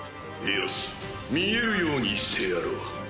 よし見えるようにしてやろう。